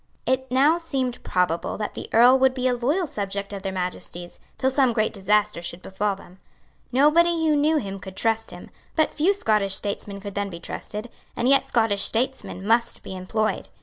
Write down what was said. It now seemed probable that the Earl would be a loyal subject of their Majesties, till some great disaster should befall them. Nobody who knew him could trust him; but few Scottish statesmen could then be trusted; and yet Scottish statesmen must be employed.